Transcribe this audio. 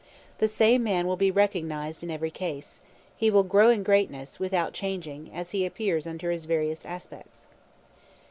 The same man will be recognized in every ease; he will grow in greatness, without changing, as he appears under his various aspects.